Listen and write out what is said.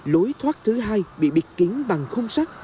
lối thoát thứ hai bị biệt kiến bằng không sát